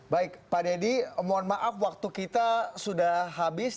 baik pak deddy mohon maaf waktu kita sudah habis